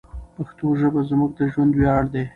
پښتو ژبه زموږ د ژوند ویاړ دی.